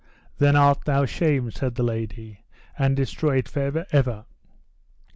Then art thou shamed, said the lady, and destroyed for ever.